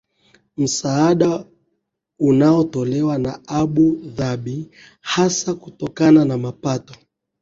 msaada unaotolewa na Abu Dhabi hasa kutokana na mapato